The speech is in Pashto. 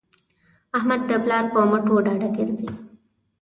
احمد د پلار په مټو ډاډه ګرځي.